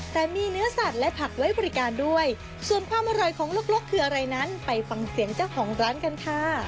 แต่มีเนื้อสัตว์และผักไว้บริการด้วยส่วนความอร่อยของลกคืออะไรนั้นไปฟังเสียงเจ้าของร้านกันค่ะ